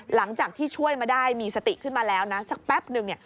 หลังจากที่ช่วยมาได้มีสติขึ้นมาแล้วนะสักแป๊บนึงเนี่ย